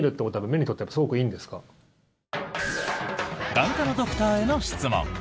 眼科のドクターへの質問。